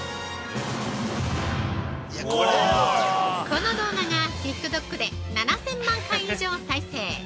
この動画が、ＴｉｋＴｏｋで７０００万回以上再生。